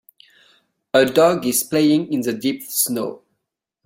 A dog is playing in the deep snow.